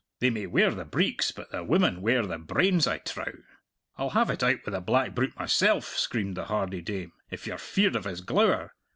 They may wear the breeks, but the women wear the brains, I trow. I'll have it out with the black brute myself," screamed the hardy dame, "if you're feared of his glower.